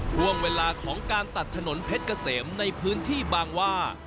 ช่วงเวลาของการตัดถนนเพชรเกษมในพื้นที่บางว่า